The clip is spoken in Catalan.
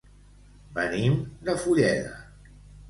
Venim de Fulleda.